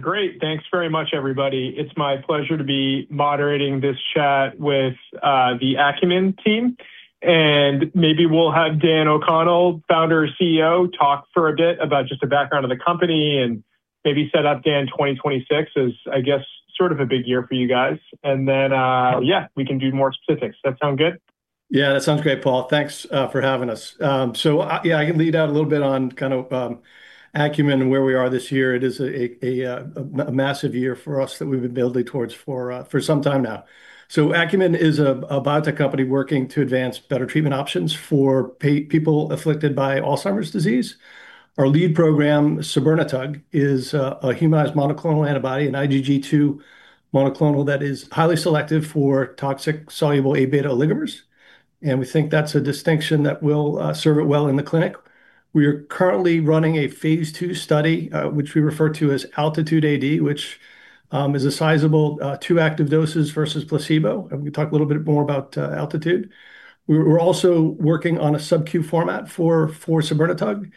Great. Thanks very much, everybody. It's my pleasure to be moderating this chat with the Acumen team. Maybe we'll have Dan O'Connell, founder and CEO, talk for a bit about just the background of the company and maybe set up, Dan, 2026 is, I guess, sort of a big year for you guys. Then, yeah, we can do more specifics. That sound good? Yeah, that sounds great, Paul. Thanks, for having us. So, yeah, I can lead out a little bit on kind of, Acumen and where we are this year. It is a massive year for us that we've been building towards for some time now. Acumen is a biotech company working to advance better treatment options for people afflicted by Alzheimer's disease. Our lead program, sabirnetug, is a humanized monoclonal antibody, an IgG2 monoclonal that is highly selective for toxic soluble Abeta oligomers, and we think that's a distinction that will serve it well in the clinic. We are currently running a phase II study, which we refer to as ALTITUDE-AD, which is a sizable, two active doses versus placebo. We can talk a little bit more about ALTITUDE. We're also working on a subQ format for sabirnetug.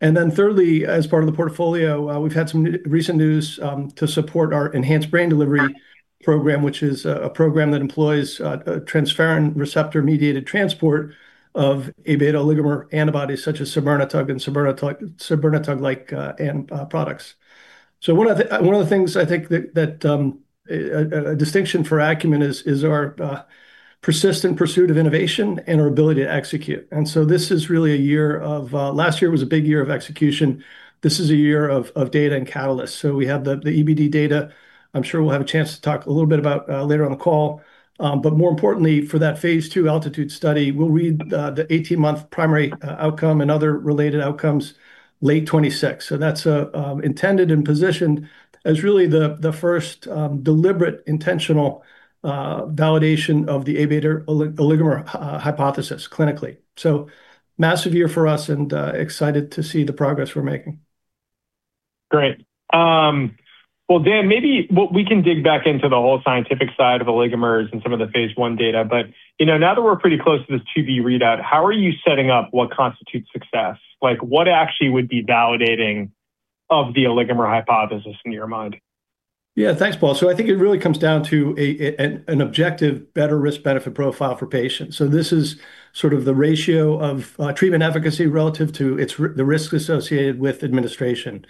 Then thirdly, as part of the portfolio, we've had some recent news to support our enhanced brain delivery program, which is a program that employs a transferrin receptor-mediated transport of Abeta oligomer antibodies such as sabirnetug and sabirnetug-like products. One of the things I think that a distinction for Acumen is our persistent pursuit of innovation and our ability to execute. This is really a year of last year was a big year of execution. This is a year of data and catalysts. We have the EBD data. I'm sure we'll have a chance to talk a little bit about later on the call. More importantly for that phase II ALTITUDE-AD study, we'll read the 18-month primary outcome and other related outcomes late 2026. That's intended and positioned as really the first deliberate, intentional validation of the Abeta oligomer hypothesis clinically. Massive year for us and excited to see the progress we're making. Great. Well, Dan, maybe what we can dig back into the whole scientific side of oligomers and some of the phase I data. You know, now that we're pretty close to this to-be readout, how are you setting up what constitutes success? Like, what actually would be validating of the oligomer hypothesis in your mind? Yeah. Thanks, Paul. I think it really comes down to an objective better risk-benefit profile for patients. This is sort of the ratio of treatment efficacy relative to the risks associated with administration.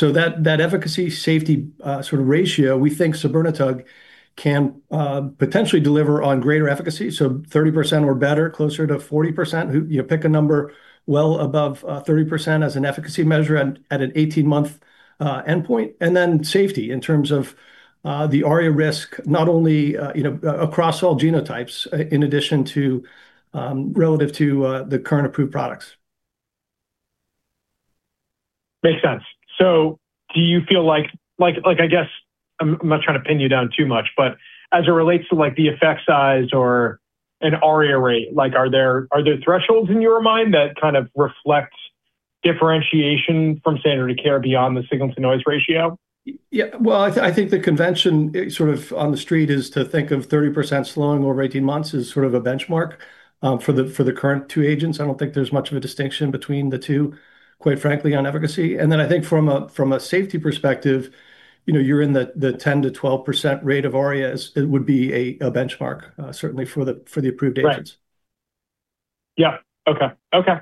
That efficacy safety sort of ratio, we think sabirnetug can potentially deliver on greater efficacy, so 30% or better, closer to 40%. You pick a number well above 30% as an efficacy measure at an 18-month endpoint. Then safety in terms of the ARIA risk, not only you know across all genotypes, in addition to relative to the current approved products. Makes sense. Do you feel like, I guess, I'm not trying to pin you down too much, but as it relates to, like, the effect size or an ARIA rate, like, are there thresholds in your mind that kind of reflect differentiation from standard care beyond the signal-to-noise ratio? Yeah. Well, I think the convention sort of on the street is to think of 30% slowing over 18 months as sort of a benchmark for the current two agents. I don't think there's much of a distinction between the two, quite frankly, on efficacy. I think from a safety perspective, you know, you're in the 10%-12% rate of ARIAs. It would be a benchmark, certainly for the approved agents. Right. Yeah. Okay.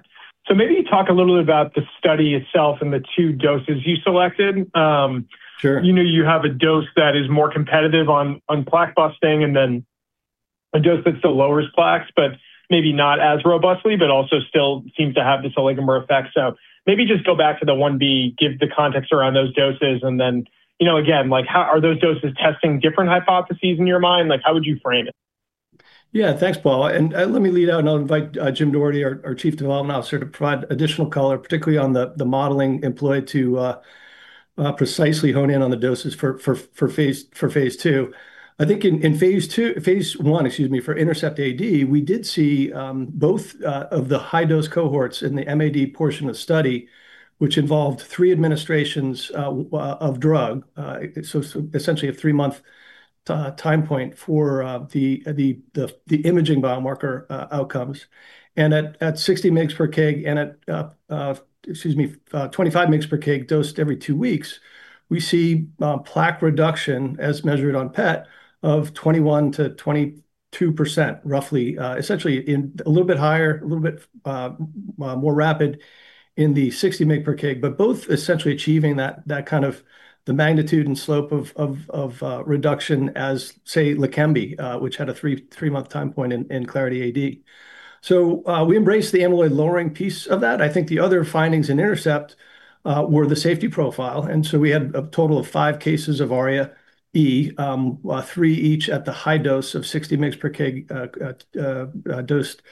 Maybe talk a little bit about the study itself and the two doses you selected. Sure. You know, you have a dose that is more competitive on plaque busting and then a dose that still lowers plaques, but maybe not as robustly, but also still seems to have this oligomer effect. Maybe just go back to the one B, give the context around those doses, and then, you know, again, like, how are those doses testing different hypotheses in your mind? Like, how would you frame it? Yeah. Thanks, Paul. Let me lead out and I'll invite James Doherty, our Chief Development Officer, to provide additional color, particularly on the modeling employed to precisely hone in on the doses for phase II. I think in phase I, excuse me, for INTERCEPT-AD, we did see both of the high-dose cohorts in the MAD portion of study, which involved three administrations of drug. So essentially a three-month time point for the imaging biomarker outcomes. At 60 mg per kg and at 25 mg per kg dosed every two weeks, we see plaque reduction as measured on PET of 21%-22%, roughly. Essentially a little bit higher, a little bit more rapid in the 60 mg per kg. Both essentially achieving that kind of the magnitude and slope of reduction as, say, Leqembi, which had a three-month time point in Clarity AD. We embraced the amyloid-lowering piece of that. I think the other findings in INTERCEPT were the safety profile. We had a total of five cases of ARIA E, three each at the high dose of 60 mg per kg dosed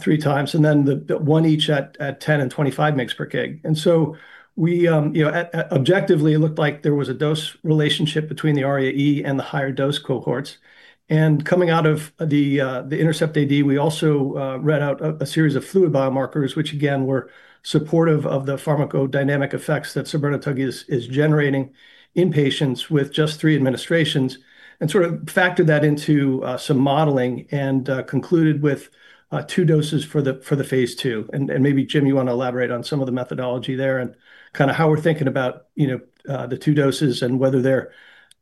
three times, and then the one each at 10 and 25 mg per kg. We, you know, objectively, it looked like there was a dose relationship between the ARIA E and the higher dose cohorts. Coming out of the INTERCEPT-AD, we also read out a series of fluid biomarkers, which again, were supportive of the pharmacodynamic effects that sabirnetug is generating in patients with just three administrations and sort of factored that into some modeling and concluded with two doses for the phase II. Maybe Jim, you wanna elaborate on some of the methodology there and kinda how we're thinking about, you know, the 2 doses and whether they're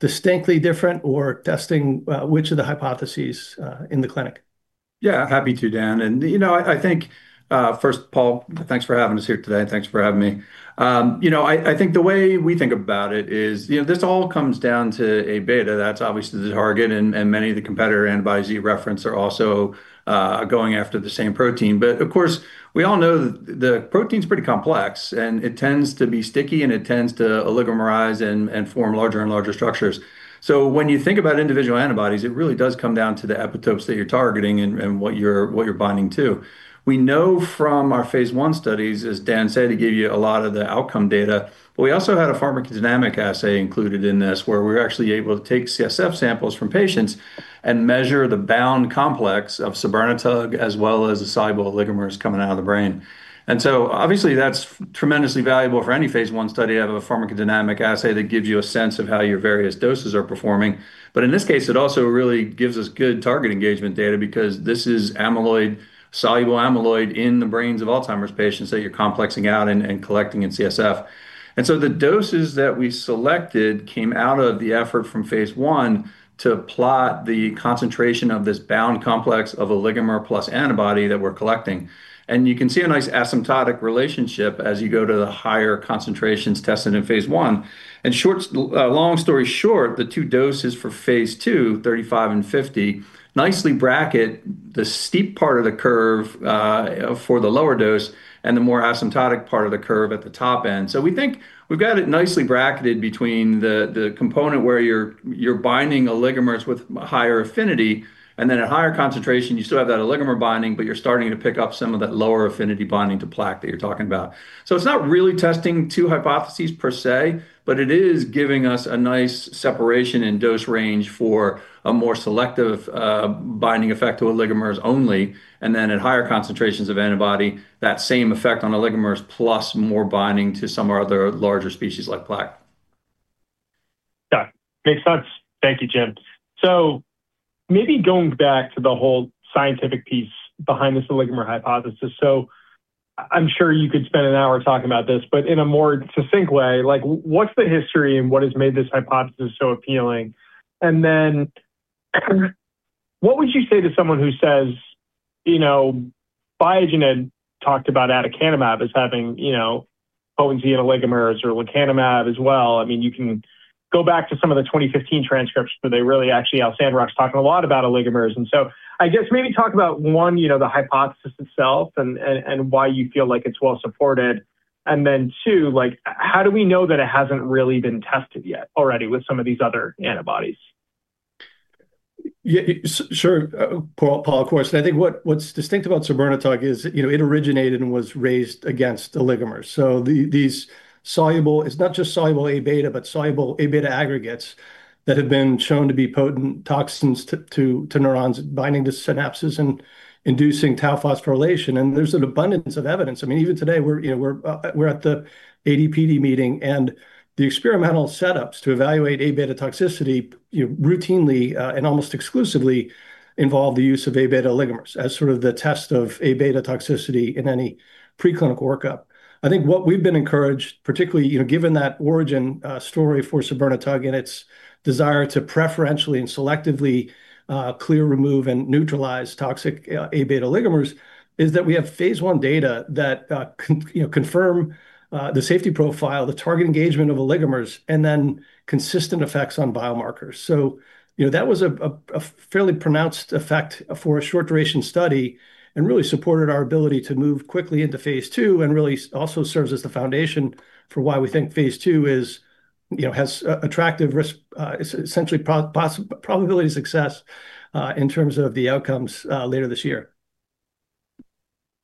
distinctly different or testing which of the hypotheses in the clinic. Yeah, happy to, Dan. You know, I think, first, Paul, thanks for having us here today, and thanks for having me. You know, I think the way we think about it is, you know, this all comes down to A-beta that's obviously the target and many of the competitor antibodies referenced are also going after the same protein. But of course, we all know the protein's pretty complex, and it tends to be sticky, and it tends to oligomerize and form larger and larger structures. When you think about individual antibodies, it really does come down to the epitopes that you're targeting and what you're binding to. We know from our phase I studies, as Dan said, he gave you a lot of the outcome data, but we also had a pharmacodynamic assay included in this, where we're actually able to take CSF samples from patients and measure the bound complex of sabirnetug, as well as the soluble oligomers coming out of the brain. Obviously, that's tremendously valuable for any phase I study of a pharmacodynamic assay that gives you a sense of how your various doses are performing. In this case, it also really gives us good target engagement data because this is amyloid, soluble amyloid in the brains of Alzheimer's patients that you're complexing out and collecting in CSF. The doses that we selected came out of the effort from phase I to plot the concentration of this bound complex of oligomer plus antibody that we're collecting. You can see a nice asymptotic relationship as you go to the higher concentrations tested in phase I. Short, long story short, the two doses for phase II, 35 and 50, nicely bracket the steep part of the curve, for the lower dose and the more asymptotic part of the curve at the top end. We think we've got it nicely bracketed between the component where you're binding oligomers with higher affinity, and then at higher concentration, you still have that oligomer binding, but you're starting to pick up some of that lower affinity binding to plaque that you're talking about. It's not really testing two hypotheses per se, but it is giving us a nice separation in dose range for a more selective binding effect to oligomers only, and then at higher concentrations of antibody, that same effect on oligomers plus more binding to some other larger species like plaque. Yeah. Makes sense. Thank you, Jim. Maybe going back to the whole scientific piece behind this oligomer hypothesis. I'm sure you could spend an hour talking about this, but in a more succinct way, like what's the history and what has made this hypothesis so appealing? Then what would you say to someone who says, you know, Biogen had talked about aducanumab as having, you know, potency in oligomers or lecanemab as well. I mean, you can go back to some of the 2015 transcripts, but they really actually, Al Sandrock's talking a lot about oligomers. I guess maybe talk about, one, you know, the hypothesis itself and why you feel like it's well supported. Then two, like, how do we know that it hasn't really been tested yet already with some of these other antibodies? Yes, sure, Paul, of course. I think what's distinct about sabirnetug is, you know, it originated and was raised against oligomers. These soluble... It's not just soluble Abeta, but soluble Abeta aggregates that have been shown to be potent toxins to neurons binding to synapses and inducing tau phosphorylation. There's an abundance of evidence. I mean, even today, you know, we're at the ADPD meeting, and the experimental setups to evaluate Abeta toxicity, you know, routinely and almost exclusively involve the use of Abeta oligomers as sort of the test of Abeta toxicity in any preclinical workup. I think what we've been encouraged, particularly, you know, given that origin story for sabirnetug and its desire to preferentially and selectively clear, remove, and neutralize toxic Abeta oligomers, is that we have phase I data that confirm the safety profile, the target engagement of oligomers, and then consistent effects on biomarkers. You know, that was a fairly pronounced effect for a short duration study and really supported our ability to move quickly into phase II and really also serves as the foundation for why we think phase II is, you know, has attractive risk essentially probability of success in terms of the outcomes later this year.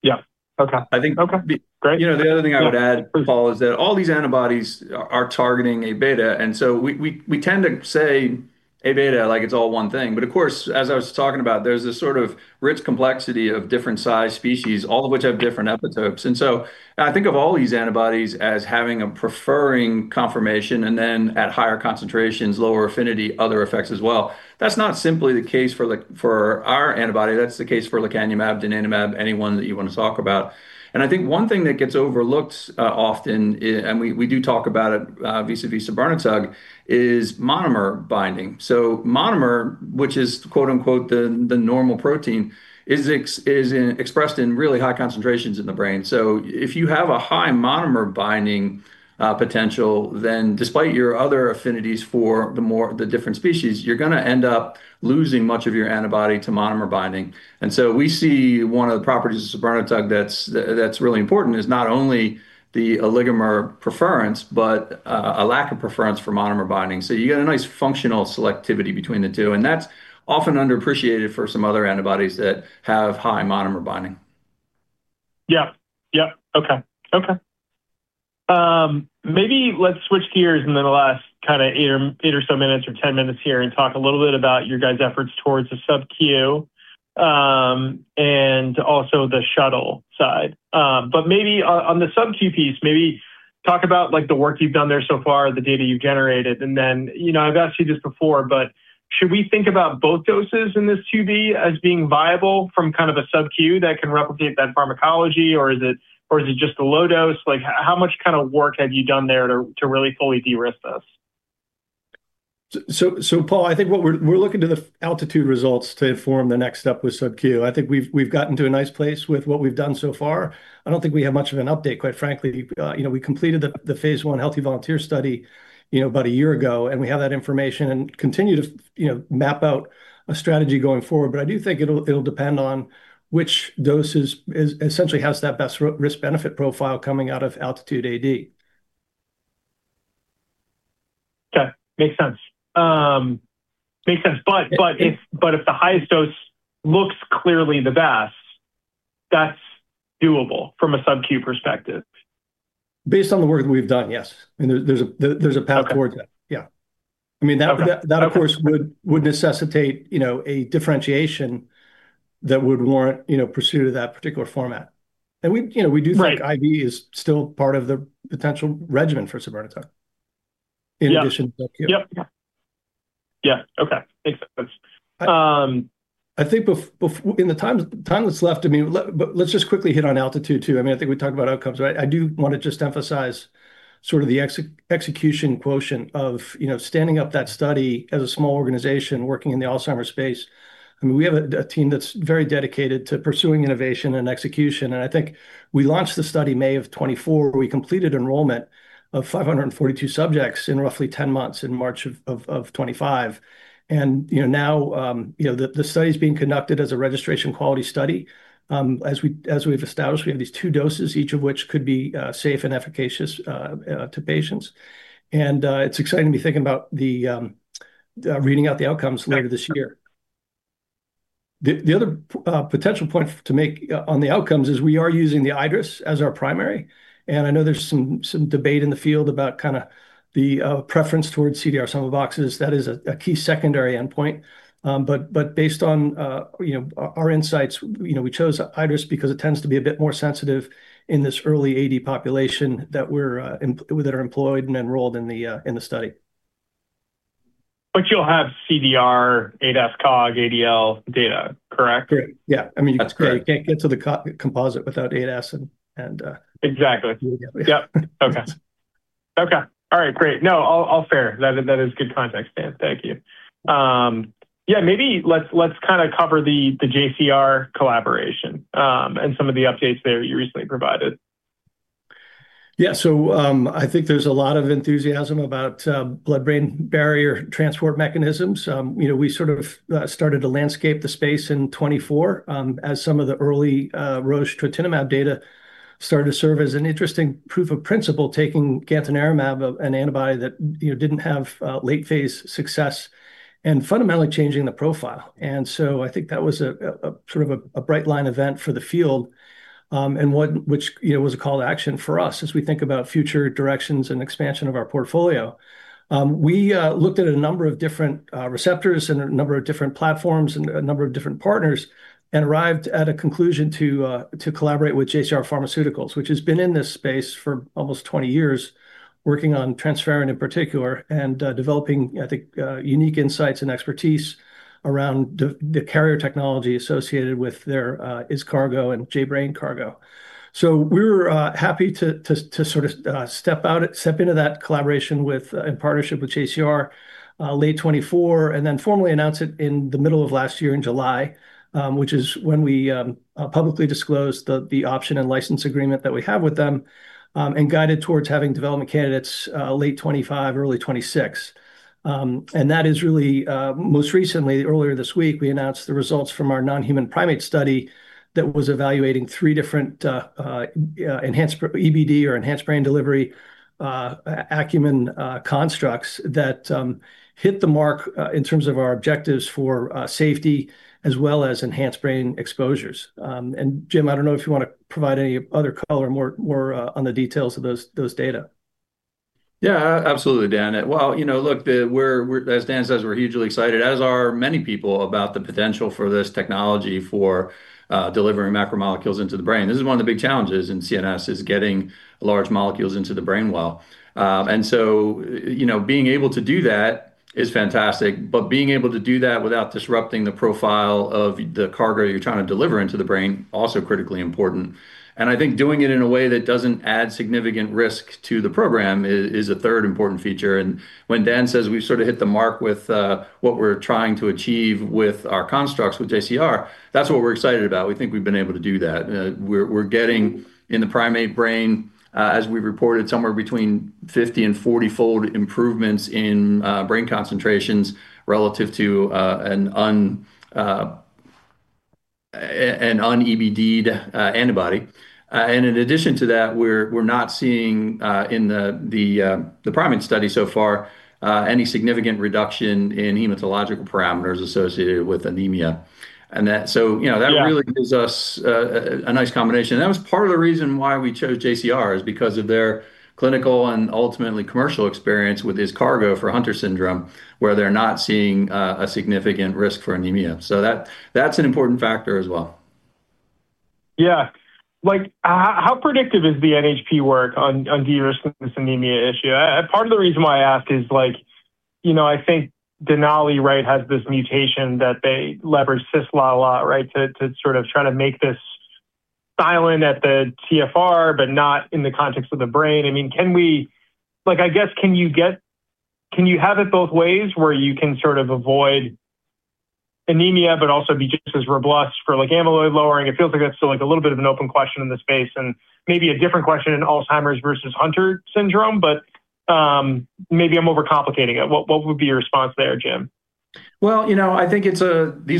Yeah. Okay. I think. Okay. Great. You know, the other thing I would add, Paul, is that all these antibodies are targeting Abeta, and so we tend to say Abeta like it's all one thing. Of course, as I was talking about, there's this sort of rich complexity of different size species, all of which have different epitopes. I think of all these antibodies as having a preferring conformation, and then at higher concentrations, lower affinity, other effects as well. That's not simply the case for our antibody. That's the case for lecanemab, donanemab, any one that you wanna talk about. I think one thing that gets overlooked often, and we do talk about it vis-à-vis sabirnetug, is monomer binding. Monomer, which is, quote-unquote, "the normal protein," is expressed in really high concentrations in the brain. If you have a high monomer binding potential, then despite your other affinities for the different species, you're gonna end up losing much of your antibody to monomer binding. We see one of the properties of sabirnetug that's really important is not only the oligomer preference, but a lack of preference for monomer binding. You got a nice functional selectivity between the two, and that's often underappreciated for some other antibodies that have high monomer binding. Yeah. Yeah. Okay. Okay. Maybe let's switch gears in the last kinda eight or so minutes or 10 minutes here and talk a little bit about your guys' efforts towards the subQ, and also the shuttle side. But maybe on the subQ piece, maybe talk about, like, the work you've done there so far, the data you've generated. Then, you know, I've asked you this before, but should we think about both doses in this 2 B as being viable from kind of a subQ that can replicate that pharmacology, or is it, or is it just a low dose? Like, how much kinda work have you done there to really fully de-risk this? Paul, I think what we're looking to the ALTITUDE-AD results to inform the next step with subQ. I think we've gotten to a nice place with what we've done so far. I don't think we have much of an update, quite frankly. You know, we completed the phase I healthy volunteer study, you know, about a year ago, and we have that information and continue to you know, map out a strategy going forward. I do think it'll depend on which doses is, essentially has that best risk benefit profile coming out of ALTITUDE-AD. Okay. Makes sense. If the highest dose looks clearly the best, that's doable from a subQ perspective. Based on the work we've done, yes. I mean, there's a path towards that. Okay. Yeah. I mean, Okay. That of course would necessitate, you know, a differentiation that would warrant, you know, pursuit of that particular format. We, you know, we do think. Right IV is still part of the potential regimen for sabirnetug. Yeah. In addition to subQ. Yep. Yeah. Okay. Makes sense. I think in the time that's left, I mean, but let's just quickly hit on ALTITUDE-AD too. I mean, I think we talked about outcomes, right? I do wanna just emphasize sort of the execution quotient of, you know, standing up that study as a small organization working in the Alzheimer's space. I mean, we have a team that's very dedicated to pursuing innovation and execution, and I think we launched the study May 2024. We completed enrollment of 542 subjects in roughly 10 months in March 2025. You know, now the study's being conducted as a registration quality study. As we've established, we have these two doses, each of which could be safe and efficacious to patients. It's exciting to be thinking about reading out the outcomes later this year. The other potential point to make on the outcomes is we are using the iADRS as our primary, and I know there's some debate in the field about kinda the preference towards CDR Sum of Boxes. That is a key secondary endpoint. But based on you know, our insights, you know, we chose iADRS because it tends to be a bit more sensitive in this early AD population that are employed and enrolled in the study. You'll have CDR, ADAS-Cog, ADL data, correct? Great. Yeah. I mean. That's great. You can't get to the composite without ADAS and. Exactly You will get there. Yep. Okay. All right, great. No, all fair. That is good context, Dan. Thank you. Yeah, maybe let's kinda cover the JCR collaboration and some of the updates there you recently provided. Yeah. I think there's a lot of enthusiasm about blood-brain barrier transport mechanisms. You know, we sort of started to landscape the space in 2024, as some of the early Roche trontinemab data started to serve as an interesting proof of principle, taking gantenerumab, an antibody that, you know, didn't have late phase success, and fundamentally changing the profile. I think that was a sort of a bright line event for the field, and one which, you know, was a call to action for us as we think about future directions and expansion of our portfolio. We looked at a number of different receptors and a number of different platforms and a number of different partners and arrived at a conclusion to collaborate with JCR Pharmaceuticals, which has been in this space for almost 20 years, working on transferrin in particular, and developing, I think, unique insights and expertise around the carrier technology associated with their IZCARGO and J-Brain Cargo. We're happy to sort of step into that collaboration in partnership with JCR late 2024, and then formally announce it in the middle of last year in July, which is when we publicly disclosed the option and license agreement that we have with them, and guided towards having development candidates late 2025, early 2026. That is really most recently, earlier this week, we announced the results from our non-human primate study that was evaluating three different enhanced EBD or enhanced brain delivery Acumen constructs that hit the mark in terms of our objectives for safety as well as enhanced brain exposures. Jim, I don't know if you wanna provide any other color more on the details of those data. Yeah, absolutely, Dan. Well, you know, look, as Dan says, we're hugely excited, as are many people, about the potential for this technology for delivering macromolecules into the brain. This is one of the big challenges in CNS, is getting large molecules into the brain well. You know, being able to do that is fantastic, but being able to do that without disrupting the profile of the cargo you're trying to deliver into the brain, also critically important. When Dan says we've sort of hit the mark with what we're trying to achieve with our constructs with JCR, that's what we're excited about. We think we've been able to do that. We're getting in the primate brain, as we've reported, somewhere between 50 and 40-fold improvements in brain concentrations relative to an un-EBD'd antibody. In addition to that, we're not seeing in the primate study so far any significant reduction in hematological parameters associated with anemia. Yeah That really gives us a nice combination. That was part of the reason why we chose JCR, is because of their clinical and ultimately commercial experience with IZCARGO for Hunter syndrome, where they're not seeing a significant risk for anemia. That, that's an important factor as well. Yeah. Like, how predictive is the NHP work on de-risking this anemia issue? Part of the reason why I ask is, like, you know, I think Denali, right, has this mutation that they leverage cis-La a lot, right, to sort of try to make silencing at the TFR, but not in the context of the brain. I mean, can you have it both ways where you can sort of avoid anemia but also be just as robust for, like, amyloid lowering? It feels like that's still, like, a little bit of an open question in the space and maybe a different question in Alzheimer's versus Hunter syndrome. Maybe I'm overcomplicating it. What would be your response there, Jim? Well, you know, I think these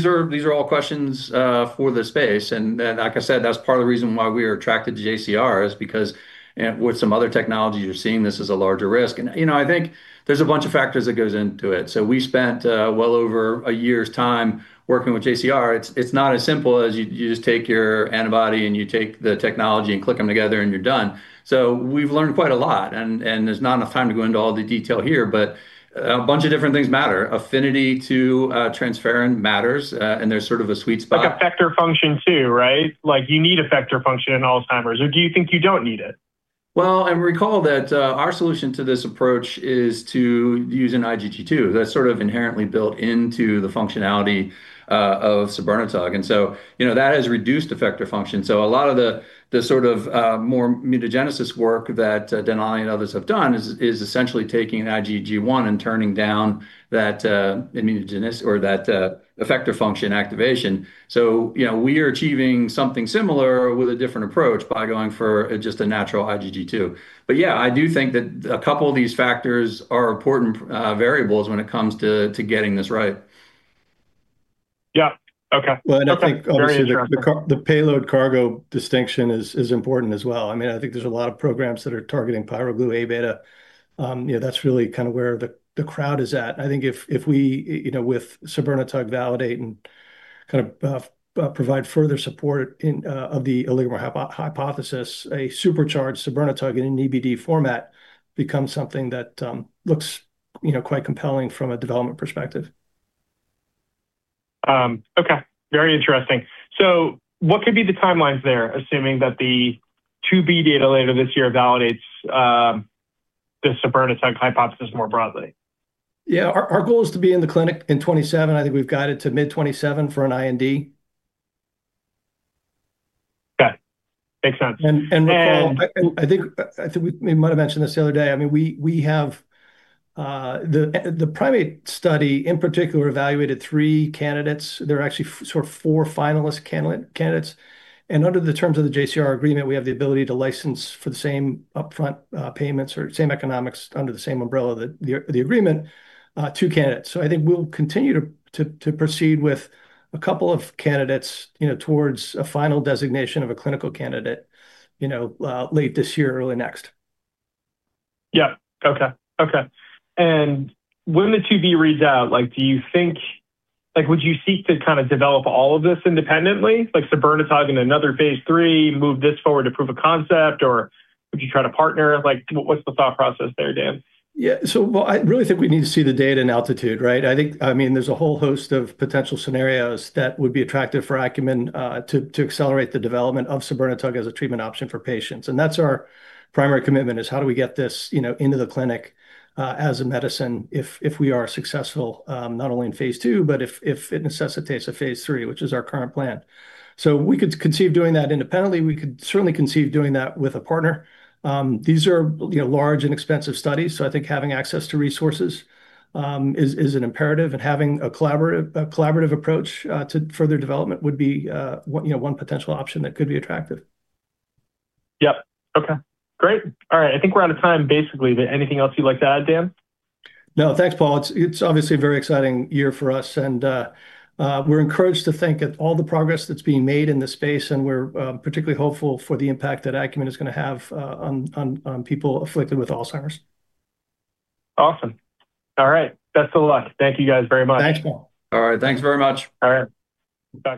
are all questions for the space. Like I said, that's part of the reason why we are attracted to JCR, is because with some other technologies, you're seeing this as a larger risk. You know, I think there's a bunch of factors that goes into it. We spent well over a year's time working with JCR. It's not as simple as you just take your antibody and you take the technology and click 'em together and you're done. We've learned quite a lot and there's not enough time to go into all the detail here, but a bunch of different things matter. Affinity to transferrin matters, and there's sort of a sweet spot. Like effector function too, right? Like, you need effector function in Alzheimer's, or do you think you don't need it? Well, recall that our solution to this approach is to use an IgG2. That's sort of inherently built into the functionality of sabirnetug. You know, that has reduced effector function. A lot of the sort of more immunogenicity work that Denali and others have done is essentially taking an IgG1 and turning down that immunogenicity or that effector function activation. You know, we are achieving something similar with a different approach by going for just a natural IgG2. Yeah, I do think that a couple of these factors are important variables when it comes to getting this right. Yeah. Okay. I think obviously the payload cargo distinction is important as well. I mean, I think there's a lot of programs that are targeting pyroglutamate Abeta. You know, that's really kinda where the crowd is at. I think if we, you know, with sabirnetug validate and kind of provide further support for the oligomer hypothesis, a supercharged sabirnetug in an EBD format becomes something that looks, you know, quite compelling from a development perspective. Okay. Very interesting. What could be the timelines there, assuming that the 2B data later this year validates, the sabirnetug hypothesis more broadly? Yeah. Our goal is to be in the clinic in 2027. I think we've guided to mid-2027 for an IND. Got it. Makes sense. Recall, I think we might've mentioned this the other day. I mean, we have the primate study in particular evaluated three candidates. There are actually four finalist candidates. Under the terms of the JCR agreement, we have the ability to license for the same upfront payments or same economics under the same umbrella that the agreement two candidates. I think we'll continue to proceed with a couple of candidates, you know, towards a final designation of a clinical candidate, you know, late this year, early next. Yeah. Okay. Okay. When the 2B reads out, like, do you think? Like, would you seek to kinda develop all of this independently? Like sabirnetug in another phase III, move this forward to prove a concept, or would you try to partner? Like, what's the thought process there, Dan? Yeah. Well, I really think we need to see the data in ALTITUDE-AD, right? I think, I mean, there's a whole host of potential scenarios that would be attractive for Acumen to accelerate the development of sabirnetug as a treatment option for patients. That's our primary commitment, is how do we get this, you know, into the clinic as a medicine if we are successful, not only in phase II, but if it necessitates a phase III, which is our current plan. We could conceive doing that independently. We could certainly conceive doing that with a partner. These are, you know, large and expensive studies, so I think having access to resources is an imperative. Having a collaborative approach to further development would be, you know, one potential option that could be attractive. Yep. Okay. Great. All right. I think we're out of time, basically. Anything else you'd like to add, Dan? No. Thanks, Paul. It's obviously a very exciting year for us and we're encouraged to think about all the progress that's being made in this space, and we're particularly hopeful for the impact that Acumen is gonna have on people afflicted with Alzheimer's. Awesome. All right. Best of luck. Thank you guys very much. Thanks, Paul. All right. Thanks very much. All right. Bye.